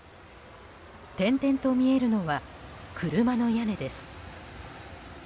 点々と見えるのは車の屋根です。